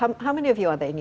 berapa banyak dari anda